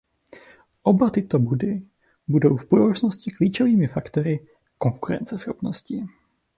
Oba tyto body budou v budoucnosti klíčovými faktory konkurenceschopnosti.